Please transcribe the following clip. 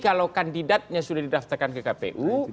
kalau kandidatnya sudah didaftarkan ke kpu